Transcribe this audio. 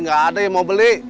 nggak ada yang mau beli